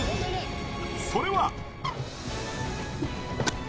それは。